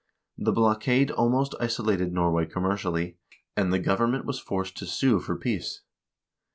The blockade almost isolated Norway commercially, and the govern ment was forced to sue for peace.